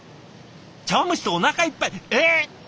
茶わん蒸しでおなかいっぱいえっ！？